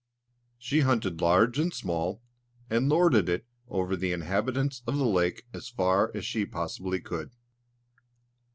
She hunted large and small, and lorded it over the inhabitants of the lake as far as she possibly could.